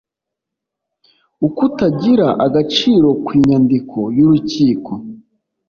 ukutagira agaciro kw inyandiko y urukiko